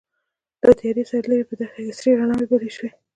له تيارې سره ليرې په دښته کې سرې رڼاوې بلې شوې.